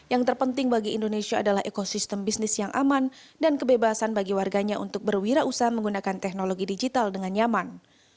yang terpenting bagi indonesia adalah ekosistem bisnis yang aman dan kebebasan bagi warganya untuk berwirausaha menggunakan teknologi digital dengan nyaman